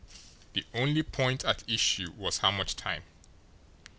The only point at issue was how much time.